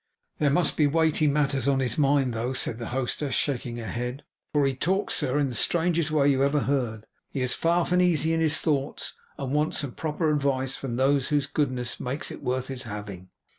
'There must be weighty matters on his mind, though,' said the hostess, shaking her head, 'for he talks, sir, in the strangest way you ever heard. He is far from easy in his thoughts, and wants some proper advice from those whose goodness makes it worth his having.